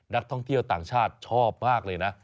นักท่องเที่ยวต่างชาติชอบมากเลยนะ